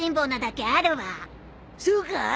そうか？